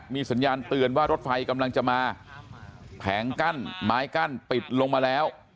มีสัญญาณเตือนว่ารถไฟกำลังจะมาแผงกั้นไม้กั้นปิดลงมาแล้ว